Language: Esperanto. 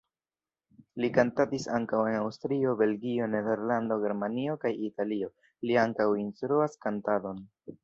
Li kantadis ankaŭ en Aŭstrio, Belgio, Nederlando, Germanio kaj Italio, li ankaŭ instruas kantadon.